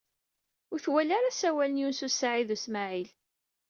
Ur twalamt ara asawal n Yunes u Saɛid u Smaɛil?